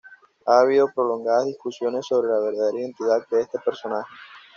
Ha habido prolongadas discusiones sobre la verdadera identidad de este personaje.